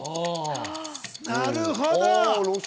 なるほど。